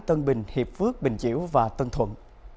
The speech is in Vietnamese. tân bình hiệp phước bình chiểu và tân thuận